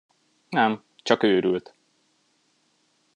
Nem, csak őrült.